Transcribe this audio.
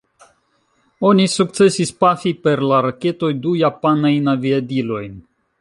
Oni sukcesis pafi per la raketoj du japanajn aviadilojn.